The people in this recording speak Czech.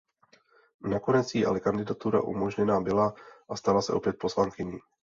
Nakonec jí ale kandidatura umožněna byla a stala se opět poslankyní.